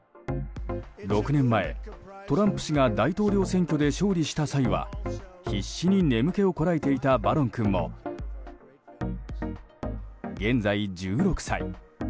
６年前、トランプ氏が大統領選挙で勝利した際は必死に眠気をこらえていたバロン君も、現在１６歳。